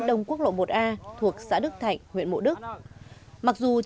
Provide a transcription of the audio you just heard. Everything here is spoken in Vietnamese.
đông quốc lộ một a thuộc xã đức thạnh huyện bụng đức